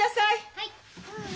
はい。